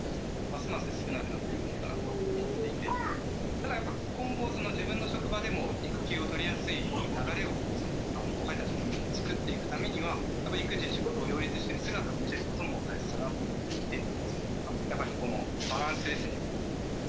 ただやっぱ今後自分の職場でも育休を取りやすい流れを後輩たちのためにもつくっていくためにはやっぱり育児仕事を両立してる姿を見せることも大切だなと思っていてやっぱりこのバランスですね。